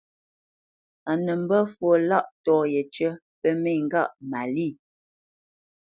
A nə́ mbə́ fwo lâʼtɔ̂ yécyə pə́ mê ngâʼ Malî.